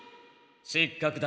失格だ。